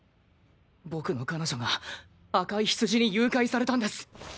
僕の彼女が赤いヒツジに誘拐されたんです！